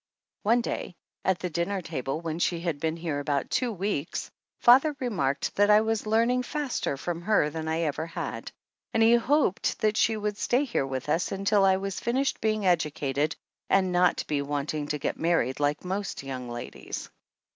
One day at the dinner table when she had been here about two weeks father remarked that I was learning faster from her than I ever had, and he hoped that she would stay here with us until I was fin ished being educated and not be wanting to get married, like most young ladies.